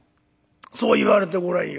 そう言われてごらんよ。